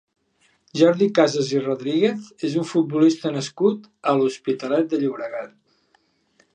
Jordi Casas i Rodríguez és un futbolista nascut a l'Hospitalet de Llobregat.